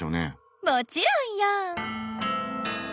もちろんよ！